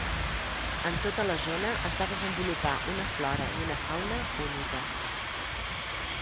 En tota la zona es va desenvolupar una flora i una fauna úniques.